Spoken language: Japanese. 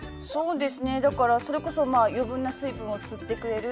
だから、それこそ余分な水分を吸ってくれる。